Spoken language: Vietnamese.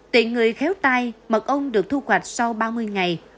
tuy người khéo tai mật ông được thu hoạch sau ba mươi ngày